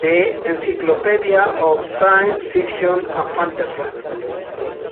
The Encyclopedia of Science Fiction and Fantasy.